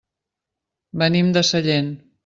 Venim de Sallent.